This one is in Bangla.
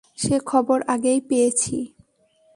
সে খবর আগেই পেয়েছি।